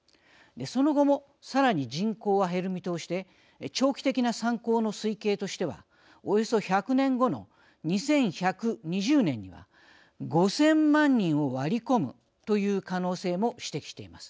その後もさらに人口は減る見通しで長期的な参考の推計としてはおよそ１００年後の２１２０年には５０００万人を割り込むという可能性も指摘しています。